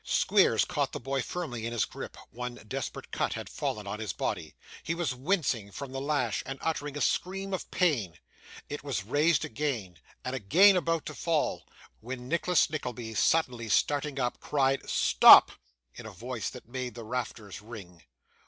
Squeers caught the boy firmly in his grip; one desperate cut had fallen on his body he was wincing from the lash and uttering a scream of pain it was raised again, and again about to fall when Nicholas Nickleby, suddenly starting up, cried 'Stop!' in a voice that made the rafters ring.